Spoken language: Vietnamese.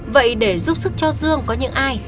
vậy để giúp sức cho dương có những ai